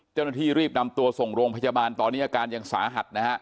เจ้าหน้าที่รีบนำตัวส่งโรงพยาบาลตอนนี้อาการยังสาหัสนะฮะ